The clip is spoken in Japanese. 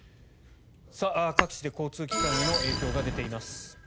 各地で交通機関への影響が出ています。